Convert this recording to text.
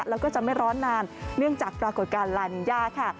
แล้วก็จะไม่ร้อนนานเนื่องจากปรากฏการณ์ลานินยาค่ะ